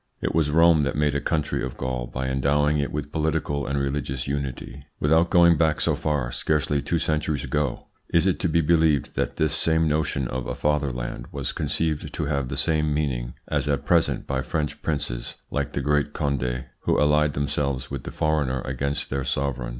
It was Rome that made a country of Gaul by endowing it with political and religious unity. Without going back so far, scarcely two centuries ago, is it to be believed that this same notion of a fatherland was conceived to have the same meaning as at present by French princes like the great Conde, who allied themselves with the foreigner against their sovereign?